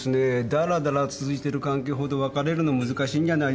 だらだら続いてる関係ほど別れるの難しいんじゃないでしょうか。